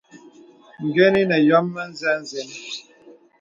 Gəni nə̀ yɔ̄m mə̄zɛ̄ zeŋ.